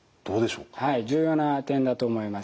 重要な点だと思います。